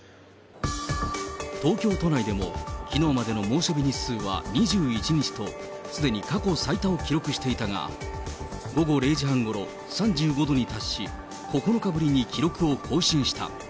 東京都内でも、きのうまでの猛暑日日数は２１日と、すでに過去最多を記録していたが、午後０時半ごろ、３５度に達し、９日ぶりに記録を更新した。